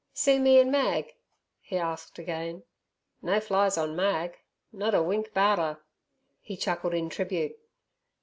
"See me an' Mag?" he asked again. "No flies on Mag; not a wink 'bout 'er!" He chuckled in tribute.